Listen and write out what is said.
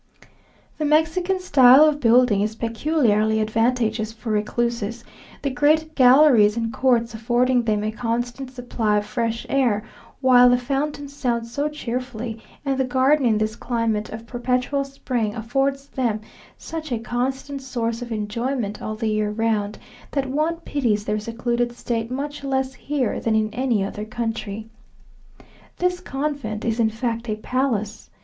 The Mexican style of building is peculiarly advantageous for recluses; the great galleries and courts affording them a constant supply of fresh air, while the fountains sound so cheerfully, and the garden in this climate of perpetual spring affords them such a constant source of enjoyment all the year round, that one pities their secluded state much less here than in any other country. This convent is in fact a palace.